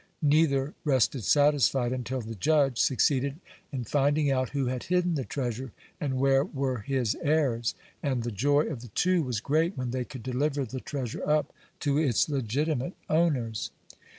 Neither rested satisfied until the judge succeeded in finding out who had hidden the treasure and where were his heirs, and the joy of the two was great when they could deliver the treasure up to its legitimate owners.